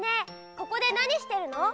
ここでなにしてるの？